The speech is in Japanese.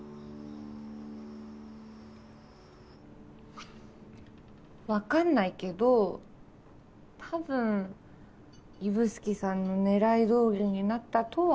現在分かんないけど多分指宿さんの狙い通りになったとは思う。